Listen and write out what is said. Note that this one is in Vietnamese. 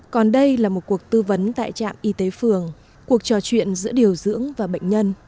còn đây là một cuộc tư vấn tại trạm y tế phường cuộc trò chuyện giữa điều dưỡng và bệnh nhân